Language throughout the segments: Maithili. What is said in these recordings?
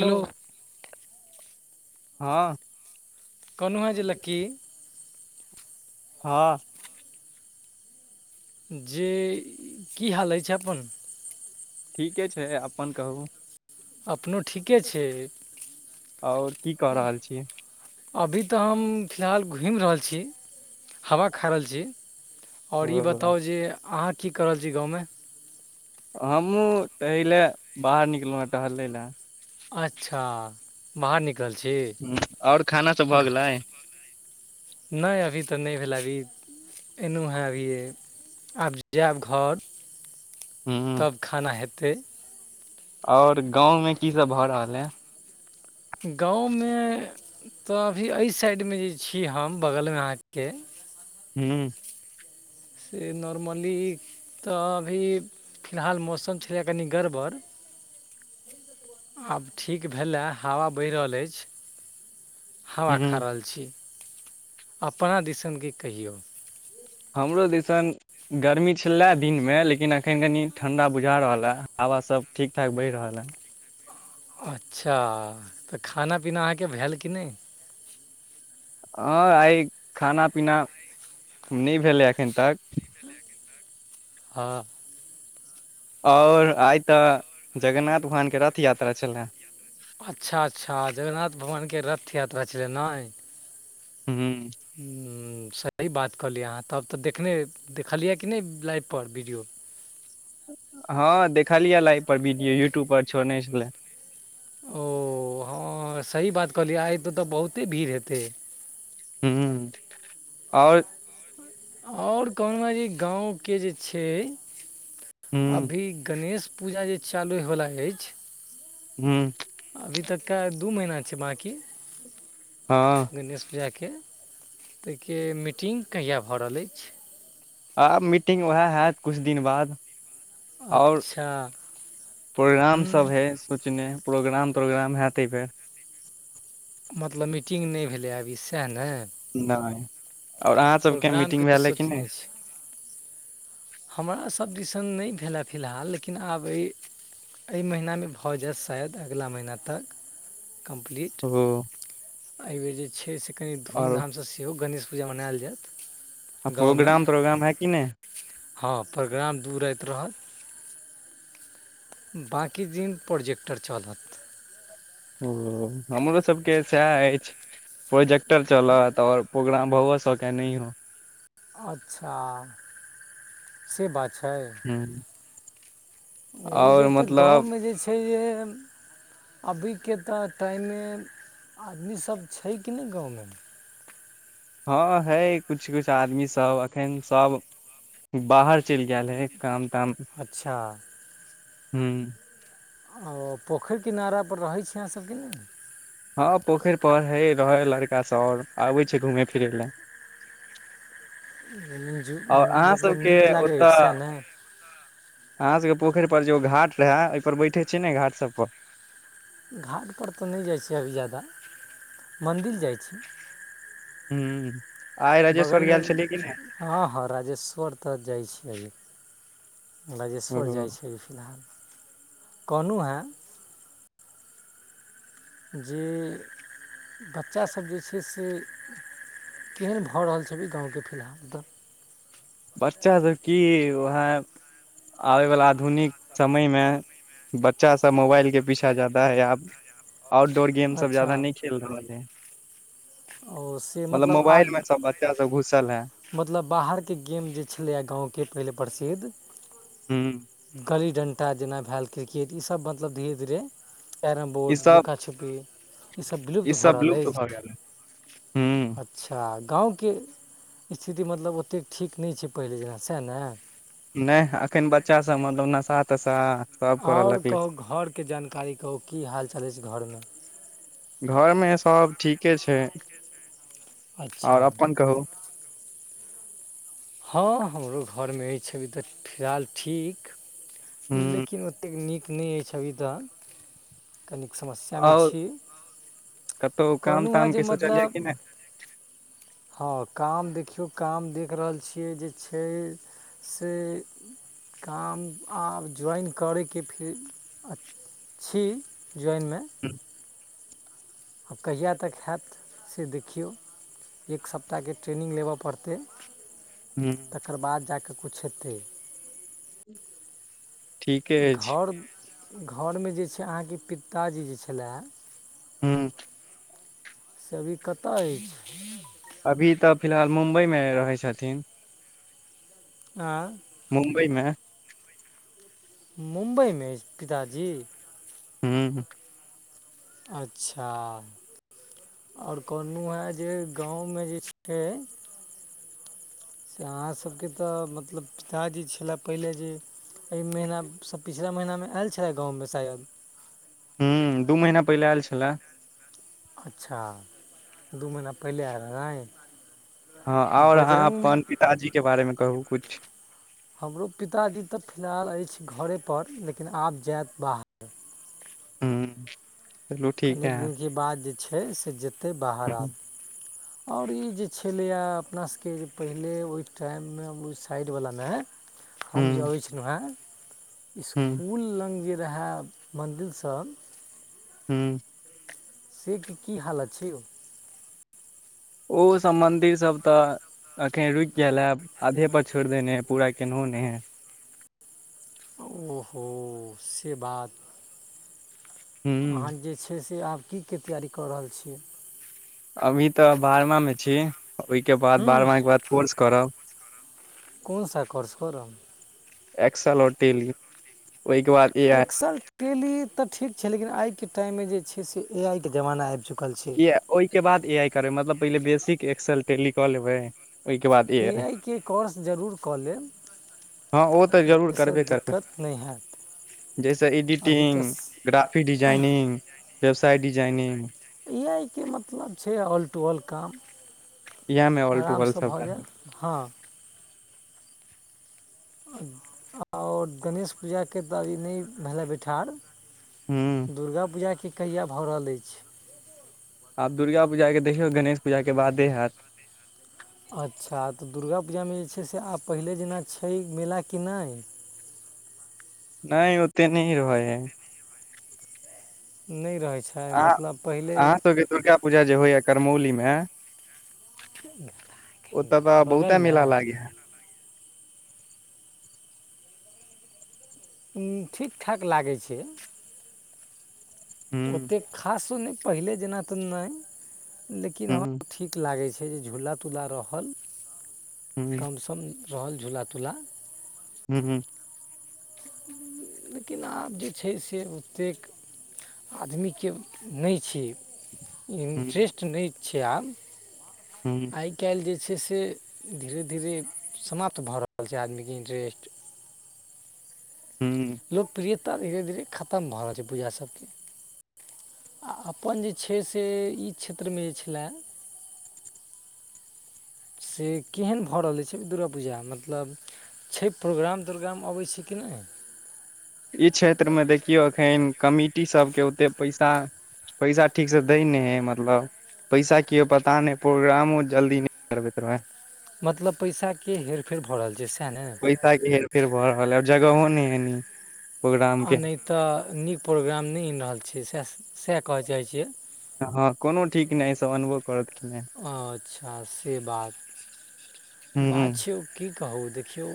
हेलो हाॅं। कोनो हे जे लकी हाॅं। जे की हाल अइछ, अपन ठीके छै, अपन कहूॅं। अपनो ठीके छै, आओर की कऽ आ रहल छियै अभी तऽ हम फिलहाल घुमि रहल छी। हवा खा रहल छी, और ई ओ बताऊं जे अहाँ की कऽ रहल छी गाँवमे। हमहुं टहय ले बाहर निकलहुँ हे टहलय ले। अच्छा, बाहर निक ल छी। हूॅं, और खाना सब भऽ गेलै। घ- नहि अभी तऽ नहि भेलै अभी ऐनों हे अभीये, आब जायब घर। ह तब खाना हेतै। और गाँंव में की सब भए रहल है। गाँवमे तऽ अभी एहि साइड मे जे छी, हम बगलमे अहाँके हूं से नॉर्मली तऽ अभी फिलहाल मौसम छलै कनि गड़बड़ आब ठीक भेले, हवा बहि रहल अछि। हवा खा ह रहल छी, अपना दिसन कि कहियौ। हमरो दिसन गर्मी छलए दिन में, लेकिन एखन कनि ठण्ढा बुझा रहल हए हवासभ ठीक- ठाक बहि रहल हए। अच्छा तऽ खाना पीना अहाँके भेल कि नैह। हँ आइ खाना -पीना नै भेलै एखन तक। हा। ओर आइ त जगन्नाथ भगवानके रथ यात्रा छलए। अच्छा -अच्छा जगन्नाथ भगवानके रथ यात्रा छलै नै। हूं। हूं सही बात कहलियै अहाँ, तब तऽ देखने- देखलियै कि नै लाइव पर वीडियो। हँ देखलियै लाइव पर वीडियो यूट्यूब पर छोड़ने छले। ओ हँ सही बात कहलियै, आइ तऽ ओतऽ बहुते भीड़ हेतै। हूं ओर। और कमल जी जे गाँवके जे छै ह अभी गणेश पूजा जे चालू होय वाला अइछ हूं अभी तक दू महीना छै बाँकी। हँ। गणेश पूजाके ताहिके मिटिंग कहिया भऽ रहल अछि? आब मीटिंग वेह हैत किछु दिन बाद। और अच्छा। प्रोग्राम सब हूँ हे सोचने प्रोग्राम- तोग्राम हैत एऽ बेर। मतलब मीटिंग नै भेलै आब इ सैह ने। नै ओर अहाँ सबके मीटिंग प्रोग्रामके भेलै कि नै? सोचने छी हमरा सभ दिसन नहि भेलए फिलहाल लेकिन आब अइ एहि महिना में भऽ जायत शायद अगिला महिना तक कम्प्लीट। ओ। एहिबेर जे छै, से कनि और धूमधामसँ सेहो गणेश पूजा मनायल जायत। आ गाँवमे प्रोग्राम- तोग्राम है कि नै? हँ प्रोग्राम दू राइत रहत। बाँकी दिन प्रोजेक्टर चलत। ओ हमरो सबके सैह अछि, प्रोजेक्टर चलत ओर प्रोग्राम भऽ सके यऽ नहीयओ। अच्छा से बात छै। हूं। ओ जे एक तऽ गाँवमे जे छैह जे अभीके तऽ टाइम में आदमी सब छै कि नै गाँवमें। हँ हय कुछ- कुछ आदमी सब एखन सब बाहर चलि गेल हय काम ताम अच्छा! हूँ। ओ, पोखर किनार पर रहैत छी अहाँ सबकी नै? हँ पोखरि पर रहै हऽ लड़का सब और आबै छै घुमै- फिरै लएऽ। और अहाँ मतलब सबके नीक लागै ओतऽ अछि सएह ने। अहाँ सब के पोखरि पर जे ओ घाट रहे, ओहि पर बैठे छी ने घाट सब पर। घाटपर तऽ नहि जाइ छी अभी ज्यादा, मन्दिल जाइ छी। ह आइ राजेश्वर बगलमे गैइल छलियै कि नै हँ हँ राजेश्वर त जाइ छियै राजेश्वर ओ जाइ छै फिलहाल कहलहुँ हेँ जे बच्चा सभ जे छै से केहन भ रहल छै ई गाँव के फिलहाल त बच्चा सभ की उएहाँ आबयवला आधुनिक समय मे बच्चा सब मोबाइल के पीछा जादा हे आब आउटडोर गेम सभ अच्छा जादाा नै खेल रहल हइ ओ से मतलब मोबाइल में आर्ट सब बच्चा सब घुसल है मतलब बाहर के गेम जे छलैए गाँव के पहिले प्रसिद्ध ह गली डण्टा जेना भेल क्रिकेट ईसभ मतलब धीरे धीरे कैरम ई बोर्ड सब लुकाछुपी ईसभ विलुप्त ई भ सब रहल लुप्त अछि भऽ गेल हूँ अच्छा गाँव के स्थिति मतलब ओतेक ठीक नहि छै पहिले जेना सएह ने नै एखन बच्चा सब मतलब नशा तसा आओर कहू घरके जानकारी कहू की हाल चाल अछी घर मे घर मे सब ठीके छै अच्छा आओर अपन कहू हँ हमरो घर मे अइछ अभी त फिलहाल ठीक हूँ लेकिन ओ एतेक नीक नै अछि अभि त कनिक समस्या मे आओर छी कतहु काम कहलहुँ हँ ताम जे के सोचलियै मतलब कि नै हँ काम देखियौ काम देख रहल छियै जे छै से काम आब ज्वाइन करैके फेर अ छी ज्वाइन मे [unintelligible] आब कहिआा तक हैत से देखियौ एक सप्ताह के ट्रेनिंग लेब पड़तै हम्म तकर बाद जा क किछु हेतै ठीके अछि घर घर मे जे छै अहाँ के पिताजी जे छलाए हम्म त अभी कतय अछि अभी त फिलहाल मुम्बई मे रहै छथिन आ मुम्बई मे मुम्बइ मे अछी पिताजी हम्म हूम अच्छा आ ओर कहलहुँ हेँ जे गाँव मे जे छै अहाँ सभ के त मतलब पिताजी छलए पहिले जे एहि महीनासँ पिछला महीना मे आयल छलै गाँव मे शायद हम्म दू महीना पहिले आयल छले अच्छा दू महीना पहिले आयर रहेन हँ आओर अहाँ अपन पिताजी के बारे मे कहू किछु हमरो पिताजी त फिलहाल अछि घरे पर लेकिन आब जायत बाहर हम्म कनेक दिनके बाद जे छै, से जेतै बाहर हूँ आब। और ई जे छलैआ अपना सबके जे पहिले, ओई टाइम में ओई साइड वला मैंऽ हम जे हूँ अबै छलौं हैं, हूँ इसकुल लंग जे रहैऽ मन्दिल सब हूँ। सेक के की हालत छै यौ? ओ सब मन्दिर सब तऽ अखैन रुइक गेल हैऽ, आधे पर छोड़ि देने हैऽ, पूरा केनहो नैय हैऽ। ओऽहोऽ से बात? ह अहाँ जे छै से आब की के तैयारी कऽ रहल छियै? अभी तऽ भारमां में छी, ओई के बाद हूँ बारहमां के बाद कोर्स करब। कुन सा कोर्स करब? एक्स एल और टेली। ओहिके बाद ए एक्सल के लिए तऽ ठीक छै, लेकिन आइ के टाइम में जे छै से ए आइ के जमाना आइब चुक ए-ओइके बाद ए आई करैइ मतलब पहिले बेसिक एक्सेल टेली क लेबै। ओहिके बाद ए आई आइ के काॅर्स जरूर कऽ लेब। हँ ओ तऽ जरूर जाहिसँ करबे करबै। दिक्कत नहि हैत जैसऽ अभी इडिटिंग, तऽ ग्राफि डिजाइनिंग, बेवसाय डिजाइनिंग इ आइ के मतलब छै ऑल टु ऑल काम, इएह मे ऑल टू आराम ऑल स भऽ सबटा जैऽत। हँ। आ-और गणेश पूजा के तऽ अबी नैय भेलैऽ बैठार। ह दुर्गा पूजा के कहिया भऽ रहल अइछ? आब दुर्गा पूजाके देखियौ, गणेश पूजाके बादे हैत। अच्छा तऽ दुर्गा पूजा में जे छै, से आब पहिले जेना छै मेला कि नैय? नैय ओते नैय रहै हइ। नैय रहै छै मतलब पहिले अह-अहाँ सबके दुर्गा पूजा जे होइयैऽ करमौली में ओतऽ तऽ बहुते बगलमे मेला लागै हैऽ। ह्म्म, ठीक ठाक लागै छै। हूँ ओते खासो नैय पहिले जेना तऽ नैय, लेकिन हूँ हं हूँ ठीक लागै छै जे झूला तूला रहल कम सम रहल झूला तूला हू-हूँ। लेकिन आब जे छै से ओतेक आदमी के नैय छैय, हूँ इंट्रेस्ट नैय छै आब। हूँ। आइ काइल जे छै से धीरे धीरे समाप्त भऽ रहल छै आदमी के इन्ट्रेस्ट। हूँ। लोकप्रियेता धीरे धीरे खतम भऽ रहल छै पूजा सबके आ अपन जे छै से ई क्षेत्र में जे छल्लैऽ से केहन भऽ रहलै छै दुर्गापूजा? मतलब छै प्रोग्राम तोग्राम अऽबै छै कि नैय? ई क्षेत्र में देखियो एखैन कमिटी सबके ओते पैसा पैसा ठीक स दैय नैय हई मतलब पैसा किओ पता नैय, प्रोग्रामो जल्दी नैय करबैत रहै हइ। मतलब पैसा के हेर -फेर भऽ रहल छै सैह ने? आ सा के हेर फेर भऽ रहल है और जगहो ने है एनी प्रोग्राम आ के नय तऽ नीक प्रोग्राम नय ऐनि रहल छी सएह- सएह कहऽ चाहै छियै? हँ कोनो ठीक नय अय सब अनबो करत की नय? अच्छा से बात। हूँ बात छै ओ- की कहू देखियौ‌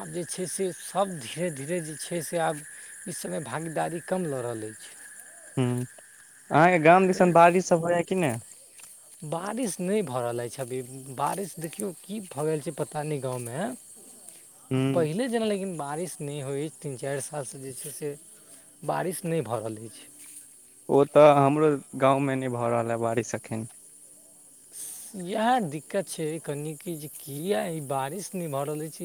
आब जे छै से सब धीरे-धीरे जे छै से आब इ समय भागीदारी कम लऽ रहल अइछ। हूंँ। अहाँके गाम दिसन बारिश सब होइयैऽ कि नै? बारिश नेय भऽ रहल एछ अभी, बारिश देखियौ की भऽ गेल छै पता नै गाँवमे हूँ पहिले जेना लेकिन बारिश नै होय तीन-चार साल से जे छै से, बारिश नै भऽ रहल अइछ। ओत ऽ हमरो गाँवमे नै भऽ रहल अय बारिश अखन। यैहऽ दिक्कत छै कनि की जे कियोऽ ई बारिश नै भऽ रहल ऐछ।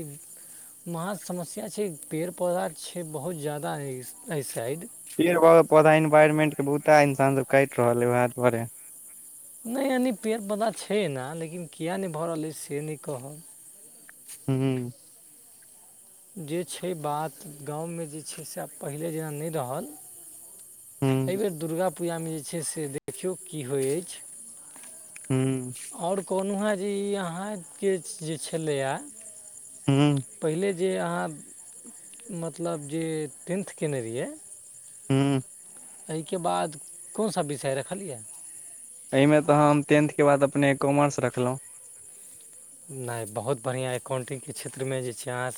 महा समस्या छै। पेड़-पौधा छै बहोत जादा एय- एय साइड। पेड़-पौधा इन्वायरमेंट के बहुता इंसान सब काएट रहल अए उहैऽ दुआरे। नै यानि पेड़-पौधा छै एना लेकिन कियैऽ नै भऽ रहल अय से नइ कहब। हुं-हुं। जे छै बात गावमे जे छै से आब पहिले जेना नै रहल। अय हूँ बेेर दुर्गा पूजामे जे छै से देखियौ की होय अइछ? हूँ और कोहनु हांँ जे इ अहाँके जे छेलैयैऽ? हूं। पहिले जे अहाँ मतलब जे टेन्थ केने रहियैऽ हूं ‌- अय के बाद कौन सा विषय रखलियैयैऽ? अयमे तऽ हम टेन्थके बाद अपने कॉमर्स रखलौ। नेय बहुत बढ़ियांँ एककाउंटिंगके क्षेत्रमे जे छै अहाँ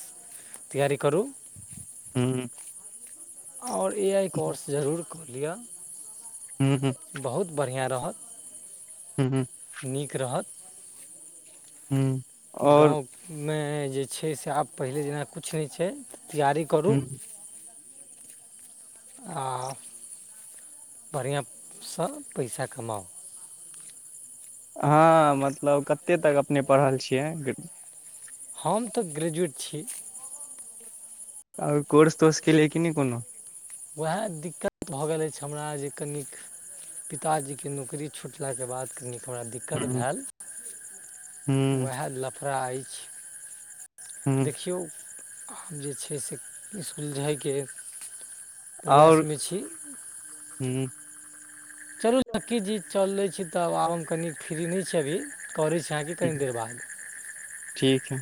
तैयारी करू। हूँ और ए आइ कोर्स जरूर कऽ लिय। हूं-हूं। बहुत बढ़ियां रहत। हूंँ-हूँ। नीक रहत। हूँ। आओर गाँवमे जे छै से आब पहिले जेना कूछ नय छैय तैयारी करू। आ, बढ़ियां सऽ पैसा कमाउ। हांँ मतलब कत्ते तक अपने पढ़ल छियै? [unintelligible] हम तऽ ग्रेजुएट छी। और कोर्स-तोर्स केलिये कि नय कोनो? उहैऽ दिक्कत भऽ गेल अइछ हमरा जे कनिक पिताजी के नौकरी छुटलाके बाद कनि थोड़ा दिक्कत हूँ भैएल, हूँ वैऽलफड़ा अइछ। हूँ देखियौ आब जे छै से इसकुल जायके और हूँ चलू लक्की जी चलै छी तब आब हम कनी फ्री नेय छी अभी। करै छी अहाँके कनि देर बाद। ठीक है।